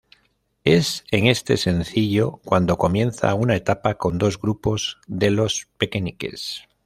Es en este sencillo cuando comienza una etapa con dos grupos de Los Pekenikes.